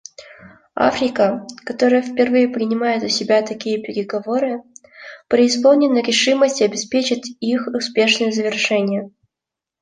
Африка, которая впервые принимает у себя такие переговоры, преисполнена решимости обеспечить их успешное завершение.